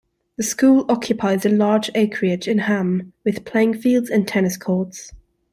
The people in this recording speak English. The school occupies a large acreage in Ham, with playing fields and tennis courts.